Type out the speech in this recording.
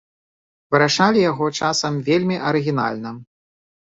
Вырашалі яго часам вельмі арыгінальна.